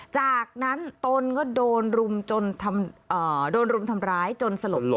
จากนั้นตนก็โดนรุมทำร้ายจนสลบ